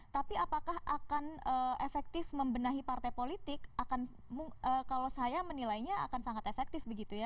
tapi apakah akan efektif membenahi partai politik akan kalau saya menilainya akan sangat efektif begitu ya